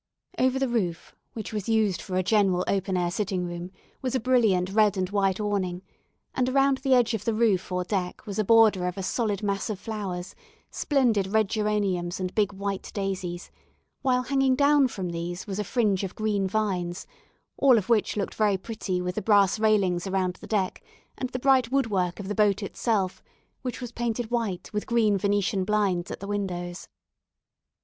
Over the roof, which was used for a general open air sitting room, was a brilliant red and white awning, and around the edge of the roof or deck was a border of a solid mass of flowers, splendid red geraniums and big white daisies, while hanging down from these was a fringe of green vines, all of which looked very pretty with the brass railings around the deck, and the bright woodwork of the boat itself, which was painted white with green Venetian blinds at the windows.